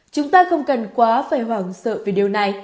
chúng ta không cần quá phải hoảng sợ về điều này